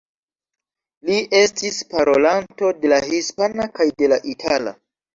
Li estis parolanto de la hispana kaj de la itala.